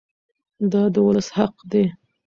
دا د ولس حق دی.